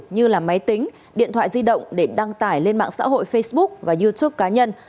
như là máy tính điện thoại di động để đăng tải lên mạng xã hội facebook và youtube cá nhân